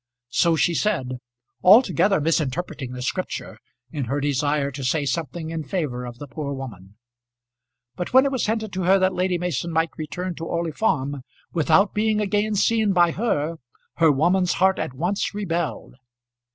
So she said, altogether misinterpreting the Scripture in her desire to say something in favour of the poor woman. But when it was hinted to her that Lady Mason might return to Orley Farm without being again seen by her, her woman's heart at once rebelled.